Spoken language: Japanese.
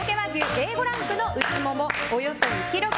Ａ５ランクのうちもも、およそ２ｋｇ。